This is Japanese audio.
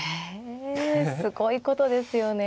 へえすごいことですよね。